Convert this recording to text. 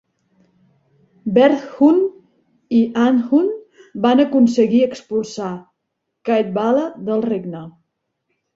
Berhthun i Andhun van aconseguir expulsar Caedwalla del regne.